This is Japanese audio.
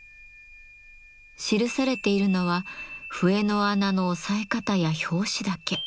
記されているのは笛の穴の押さえ方や拍子だけ。